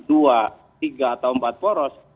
dua tiga atau empat poros